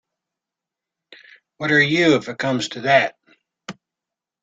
What are you, if it comes to that?